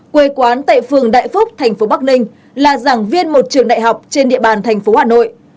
quê quán tại phường đại phúc thành phố bắc ninh là giảng viên một trường đại học trên địa bàn thành phố hà nội